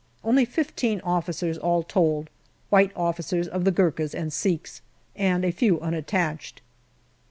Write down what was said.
Only fifteen officers all told white officers of the Gurkhas and Sikhs, and a few unattached.